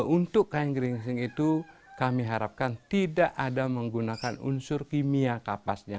untuk kain geringsing itu kami harapkan tidak ada menggunakan unsur kimia kapasnya